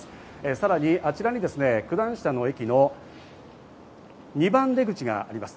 さらにあちらに九段下の駅の２番出口があります。